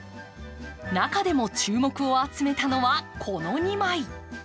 中でも注目を集めたのはこの２枚。